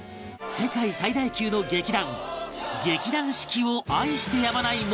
世界最大級の劇団劇団四季を愛してやまない元子役